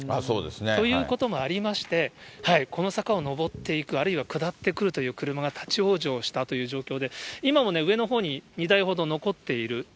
ということもありまして、この坂を上っていく、あるいは下ってくるという車が立往生したという状況で、今も上のほうに２台ほど残っている。